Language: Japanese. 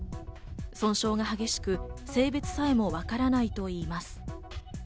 損傷が激しく性別さえもわからないといいます。